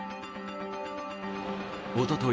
おととい